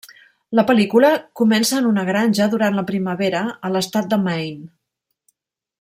La pel·lícula comença en una granja durant la primavera, a l'estat de Maine.